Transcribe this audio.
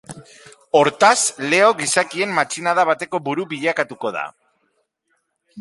Hortaz, Leo gizakien matxinada bateko buru bilakatuko da.